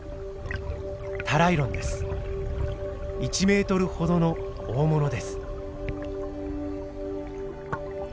１メートルほどの大物です。